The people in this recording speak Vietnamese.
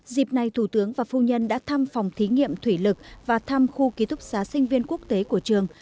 dịp này thủ tướng và phu nhân đã thăm phòng thí nghiệm thủy lực và thăm khu ký túc xá sinh viên quốc tế của trường